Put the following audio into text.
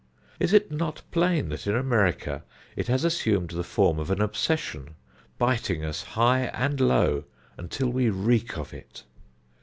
Is it not plain that in America it has assumed the form of an obsession, biting us high and low, until we reek of it?